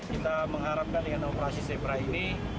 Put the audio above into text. kita mengharapkan dengan operasi zebra ini